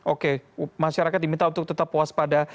oke masyarakat diminta untuk tetap waspada